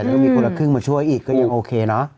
แล้วก็มีคนละครึ่งมาช่วยอีกก็ยังโอเคเนอะ